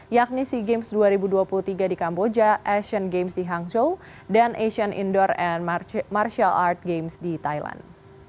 yakni sea games dua ribu dua puluh tiga di kamboja asian games di hangzhou dan asian indoor and martial art games di thailand